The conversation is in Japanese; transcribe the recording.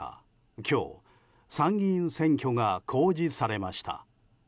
今日、参議院選挙が公示されました。